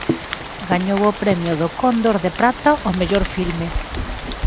Gañou o premio do Cóndor de Prata ó mellor filme.